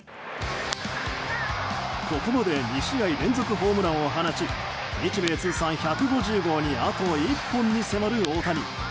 ここまで２試合連続ホームランを放ち日米通算１５０号にあと１本に迫る大谷。